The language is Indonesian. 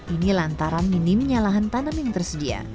ini lantaran minimnya lahan tanam yang tersedia